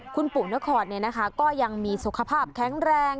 คุณปู่นครก็ยังมีสุขภาพแข็งแรง